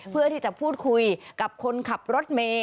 เพื่อที่จะพูดคุยกับคนขับรถเมย์